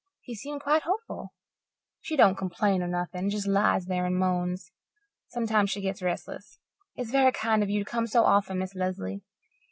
He seemed quite hopeful. She don't complain or nothing just lies there and moans. Sometimes she gets restless. It's very kind of you to come so often, Miss Lesley.